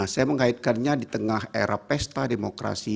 saya mengaitkannya di tengah era pesta demokrasi